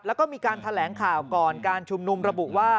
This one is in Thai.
แล้วก็มีการแถลงข่าวก่อนการชุมนุมระบุว่า